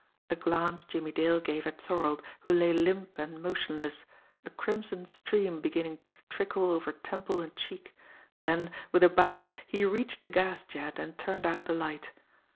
A glance Jimmie Dale gave at Thorold, who lay limp and motionless, a crimson stream beginning to trickle over temple and cheek; then, with a bound, he reached the gas jet, and turned out the light.